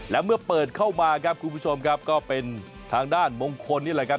และเมื่อเปิดเข้ามาครับคุณผู้ชมครับก็เป็นทางด้านมงคลนี่แหละครับ